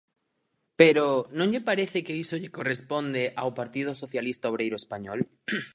Pero ¿non lle parece que iso lle corresponde ao Partido Socialista Obreiro Español?